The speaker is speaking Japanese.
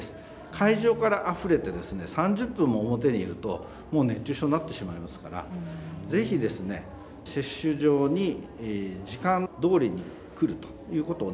会場からあふれて３０分も表にいると熱中症になってしまいますからぜひ接種場に時間どおりに来るということをお願いしたいですね。